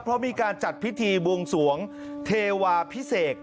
เพราะมีการจัดพิธีบวงสวงเทวาพิเศษ